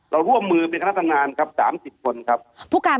และร่วมมือเป็นคะน่ะทำงานครับ๓๐คน